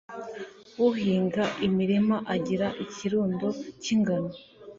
uhinga imirima agira ikirundo cy'ingano